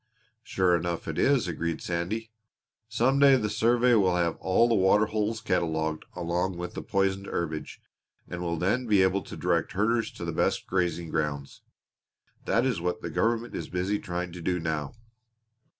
"Sure enough it is," agreed Sandy. "Some day the survey will have all the water holes catalogued along with the poisoned herbage, and will then be able to direct herders to the best grazing grounds. That is what the government is busy trying to do now."